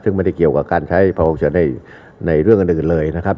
ซึ่งไม่ได้เกี่ยวกับการใช้ภาวะฉุกเฉินในเรื่องอื่นเลยนะครับ